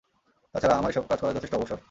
তাছাড়া, আমার এসব কাজ করার যথেষ্ট অবসর।